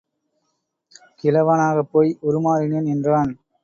கிழவனாகப் போய் உருமாறினேன் என்றான்.